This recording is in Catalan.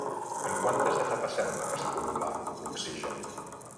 En quantes etapes sembla que s'acumulà l'oxigen?